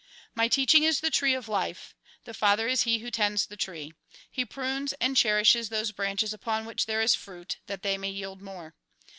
" My teaching is the tree of life. The Father is He who tends the tree. He prunes and cherishes those branches upon which there is fruit, that they may yield more.